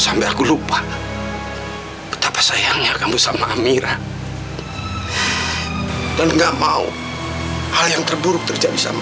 sampai aku lupa betapa sayangnya kamu sama amira dan enggak mau hal yang terburuk terjadi sama